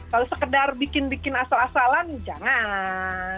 kalau sekedar bikin bikin asal asalan jangan